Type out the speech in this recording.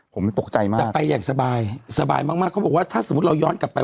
ผมตกใจมากแต่ไปอย่างสบายสบายมากเขาบอกว่าถ้าสมมุติเราย้อนกลับไป